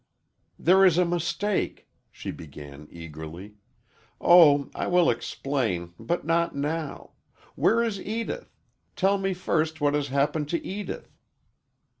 "There is a mistake," she began eagerly. "Oh, I will explain, but not now. Where is Edith? Tell me first what has happened to Edith."